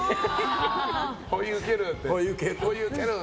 ほい、ウケる！